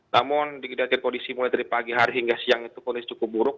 namun dikenakan kondisi mulai dari pagi hari hingga siang itu kondisi cukup buruk